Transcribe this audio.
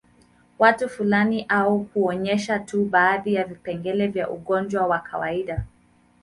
Watu fulani au kuonyesha tu baadhi ya vipengele vya ugonjwa wa kawaida